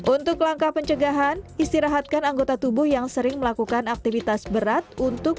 untuk langkah pencegahan istirahatkan anggota tubuh yang sering melakukan aktivitas berat untuk